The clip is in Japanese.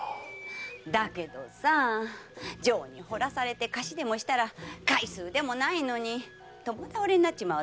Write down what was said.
だけど情にほだされて貸しでもしたら返す腕もないのに共倒れになっちまうだろう？